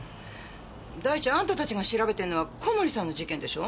第一あんたたちが調べてるのは小森さんの事件でしょ。